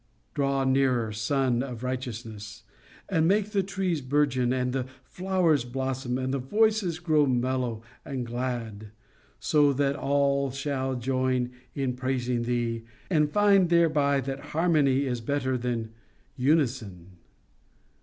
Draw nearer, Sun of Righteousness, and make the trees bourgeon, and the flowers blossom, and the voices grow mellow and glad, so that all shall join in praising Thee, and find thereby that harmony is better than unison.